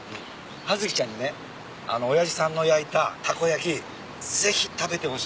葉月ちゃんにね親父さんの焼いたたこ焼きぜひ食べてほしいんだ。